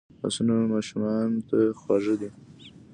لاسونه ماشومانو ته خواږه دي